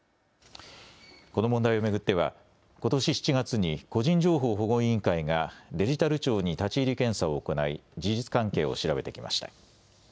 この問題を巡ってはことし７月に個人情報保護委員会がデジタル庁に立ち入り検査を行い事実関係を調べてきました。